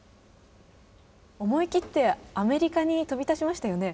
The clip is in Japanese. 思い切ってアメリカに飛び立ちましたよね。